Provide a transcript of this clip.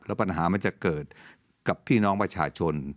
แล้วปัญหามันจะเกิดกับพี่น้องประชาชน